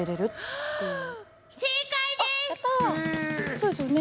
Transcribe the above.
そうですよね。